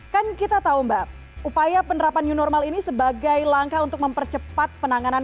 kan kita tahu mbak upaya penerapan new normal ini sebagai langkah untuk mempercepat penanganan